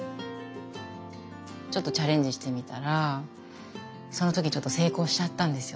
ちょっとチャレンジしてみたらその時成功しちゃったんですよ